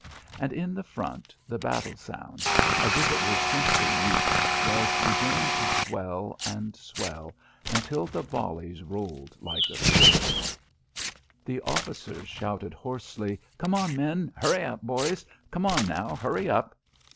And at the front the battle sound, as if it were simply music, was beginning to swell and swell until the volleys rolled like a surf. The officers shouted hoarsely, "Come on, men! Hurry up, boys! Come on now! Hurry up!"